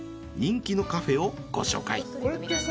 人気のカフェをご紹介。